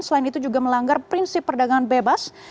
selain itu juga melanggar prinsip perdagangan bebas